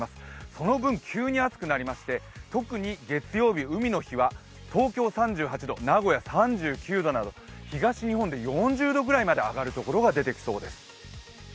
その分、急に暑くなりまして特に月曜日、海の日には名古屋３９度など東日本で４０度ぐらいまで上がるところが出てきそうです。